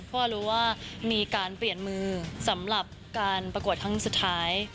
เพราะว่ารู้ว่ามีการเปลี่ยนมือสำหรับการประกวดครั้งสุดท้าย